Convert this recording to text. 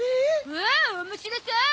おお面白そう！